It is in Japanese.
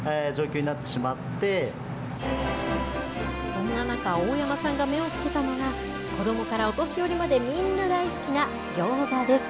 そんな中、大山さんが目をつけたのが、子どもからお年寄りまでみんな大好きなギョーザです。